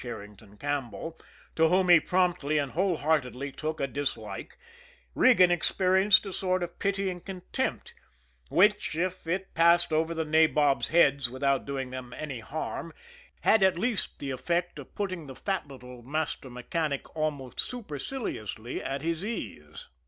Herrington Campbell, to whom he promptly and whole heartedly took a dislike, Regan experienced a sort of pitying contempt, which, if it passed over the nabobs' heads without doing them any harm, had at least the effect of putting the fat little master mechanic almost superciliously at his ease.